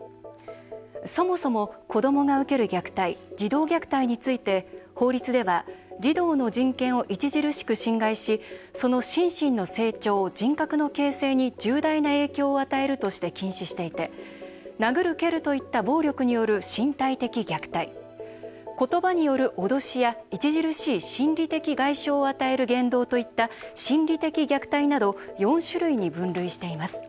そもそも子どもが受ける虐待児童虐待について、法律では児童の人権を著しく侵害しその心身の成長、人格の形成に重大な影響を与えるとして禁止していて殴る蹴るといった暴力による身体的虐待言葉による脅しや著しい心理的外傷を与える言動といった、心理的虐待など４種類に分類しています。